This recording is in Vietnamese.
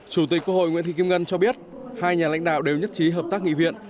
chủ tịch quốc hội nguyễn thị kim ngân cho biết hai nhà lãnh đạo đều nhất trí hợp tác nghị viện